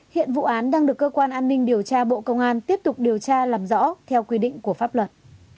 hiện vụ án đang được cơ quan an ninh điều tra bộ công an tiếp tục điều tra làm rõ theo quy định của pháp luật